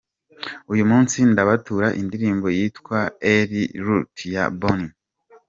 Uyu munsi ndabatura indirimbo yitwa El Lute ya Boney M